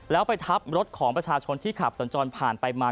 แล้วไปทับรถของประชาชนที่ขับสัญจรผ่านไปมา